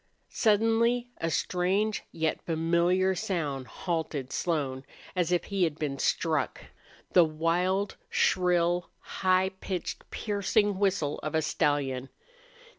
Suddenly a strange yet familiar sound halted Slone, as if he had been struck. The wild, shrill, high pitched, piercing whistle of a stallion!